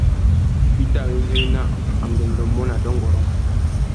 I tà awéngüéwina angüêndô mô nà dôngôrông.